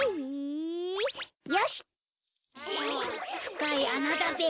ふかいあなだべ。